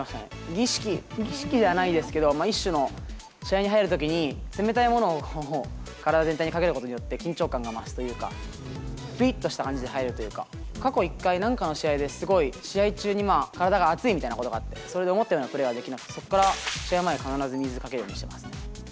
儀式、儀式じゃないですけど、一種の、試合に入るときに、冷たいものを体全体にかけることによって、緊張感が増すというか、ぴりっとした感じで入るというか、過去１回、何かの試合ですごい試合中に体が熱いみたいなことがあって、それで思ったようなプレーができなかったので、そこから試合前に必ず水をかけるようにしています。